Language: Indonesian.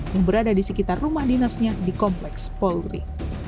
yang berada di sekitar rumah dinasnya di kompleks polri